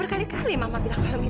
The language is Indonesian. kita bisa ketemu lagi